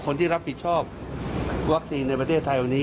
คนที่รับผิดชอบวัคซีนในประเทศไทยวันนี้